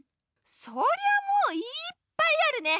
そりゃもういっぱいあるね！